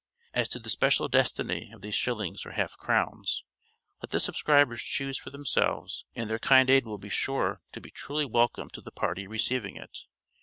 As to the special destiny of these shillings or half crowns, let the subscribers choose for themselves, and their kind aid will be sure to be truly welcome to the party receiving it.